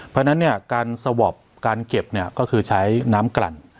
เพราะฉะนั้นเนี่ยการสวอปการเก็บก็คือใช้น้ำกลั่น